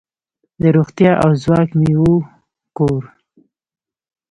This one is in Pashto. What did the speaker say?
د روغتیا او ځواک میوو کور.